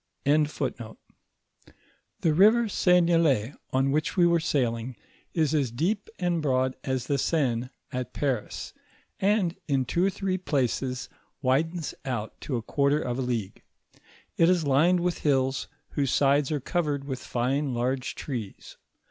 m. ;^\ ^■w ,i> 108 ITABBATIVE OF FATHER HENNEPIN. The river Seignelay on which we were sailing, is as deep and broad as the Seine, at Paris, and in two or three places widens out to a quarter of a league. It is lined with hills, whose sides are covered with fine large trees.